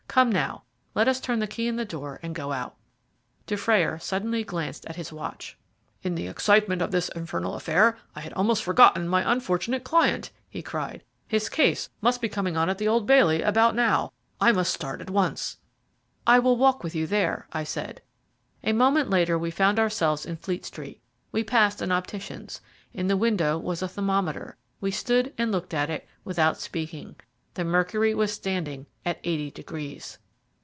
"Come now, let us turn the key in the door and go out." Dufrayer suddenly glanced at his watch. "In the excitement of this infernal affair I had almost forgotten my unfortunate client," he cried; "his case must be coming on at the Old Bailey about now. I must start at once." "I will walk with you there," I said. A moment later we found ourselves in Fleet Street. We passed an optician's in the window was a thermometer. We stood and looked at it without speaking. The mercury was standing at eighty degrees.